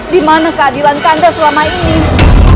dimana keadilan saya selama ini